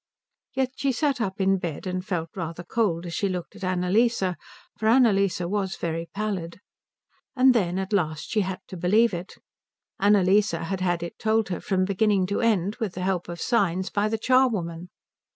Yet she sat up in bed and felt rather cold as she looked at Annalise, for Annalise was very pallid. And then at last she had to believe it. Annalise had had it told her from beginning to end, with the help of signs, by the charwoman.